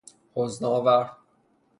حزن آور